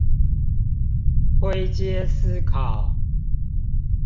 灰階思考